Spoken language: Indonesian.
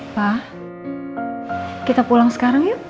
pak kita pulang sekarang ya